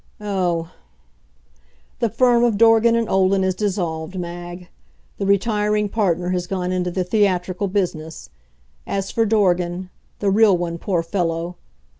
Oh The firm of Dorgan & Olden is dissolved, Mag. The retiring partner has gone into the theatrical business. As for Dorgan the real one, poor fellow!